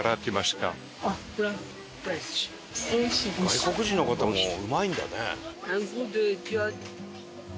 外国人の方もうまいんだね。